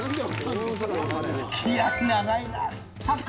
付き合い長いな！